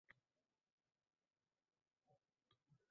Hech qachon orzuingizdan kechmang.